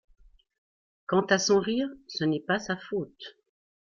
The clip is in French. Quant à son rire, ce n’est pas sa faute.